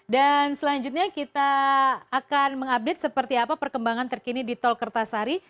dan selanjutnya kita akan mengupdate seperti apa perkembangan terkini di tol kertasari